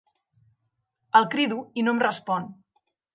El crido i no em respon.